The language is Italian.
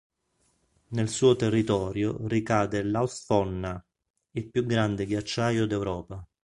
Nel suo territorio ricade l'Austfonna, il più grande ghiacciaio d'Europa.